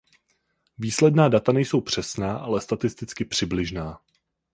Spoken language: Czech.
Výsledná data nejsou přesná ale statisticky přibližná.